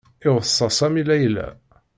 Iweṣṣa Sami Layla.